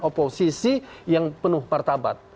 oposisi yang penuh martabat